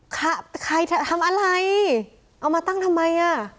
ใครทำอะไรเอามาตั้งทำไมอ่ะ